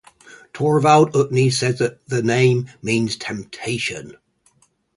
Torvald Utne says that the name means temptation.